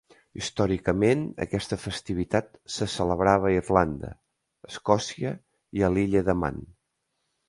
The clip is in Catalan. Històricament aquesta festivitat se celebrava a Irlanda, Escòcia i a l'Illa de Man.